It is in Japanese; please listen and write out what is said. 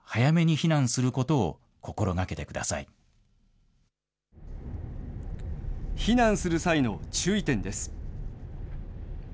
避難する際の注意点です。